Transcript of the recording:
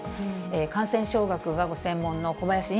感染症学がご専門の小林寅